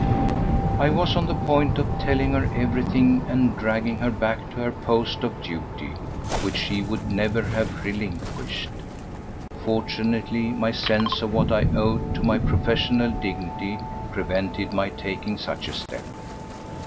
I was on the point of telling her everything, and dragging her back to her post of duty which she should never have relinquished. Fortunately my sense of what I owed to my own professional dignity prevented my taking such a step.